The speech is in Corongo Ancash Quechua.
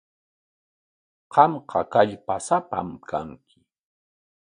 Qamqa kallpasapam kanki.